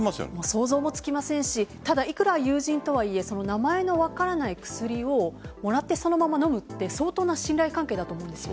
想像もつきませんしいくら友人とはいえ名前の分からない薬をもらってそのまま飲むって相当な信頼関係だと思うんです。